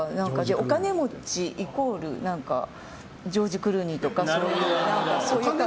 お金持ちイコールジョージ・クルーニーとかそういう感じ。